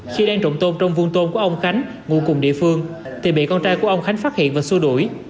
khi đang trộn tôn trong vùng tôn của ông khánh ngủ cùng địa phương thì bị con trai của ông khánh phát hiện và xua đuổi